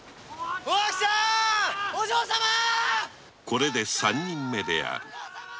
これで三人目である